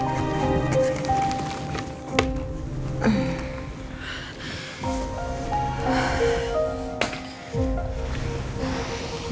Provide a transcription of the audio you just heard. tidak harus hati hati sayang